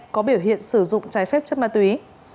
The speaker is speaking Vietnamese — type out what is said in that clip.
có biểu hiện sử dụng trái phép chất ma túy